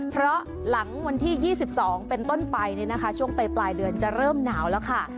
เพราะหลังวันที่๒๒เป็นต้นไปช่วงปลายเดือนจะเริ่มหนาวแล้วค่ะ